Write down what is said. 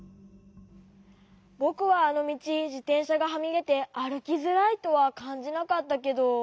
ぼくはあのみちじてんしゃがはみでてあるきづらいとはかんじなかったけど。